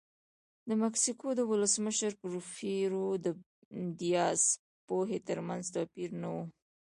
د مکسیکو د ولسمشر پورفیرو دیاز پوهې ترمنځ توپیر نه و.